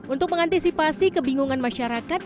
untuk mengantisipasi kebingungan masyarakat